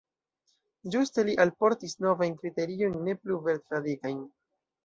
Ĝuste li alportis novajn kriteriojn, ne plu verd-radikajn.